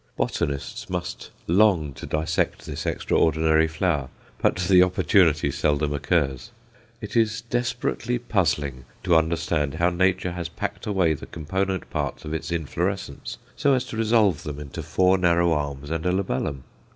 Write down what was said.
Botanists must long to dissect this extraordinary flower, but the opportunity seldom occurs. It is desperately puzzling to understand how nature has packed away the component parts of its inflorescence, so as to resolve them into four narrow arms and a labellum.